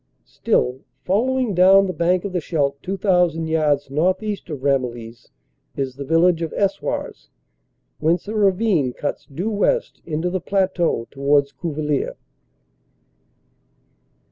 Still following down the bank of the Scheldt, 2,000 yards northeast of Ramillies is the village of Eswars, whence a ravine cuts due west into the plateau towards Cuvillers.